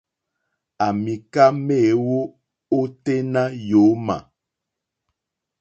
À mìká méèwó óténá yǒmà.